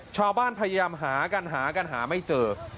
ชาวบ้านพยายามหากันหากันหาไม่เจอ